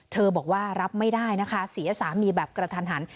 บอกว่ารับไม่ได้นะคะเสียสามีแบบกระทันหัน